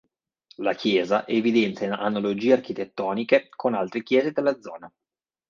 La Chiesa evidenzia analogie architettoniche con altre Chiese della zona.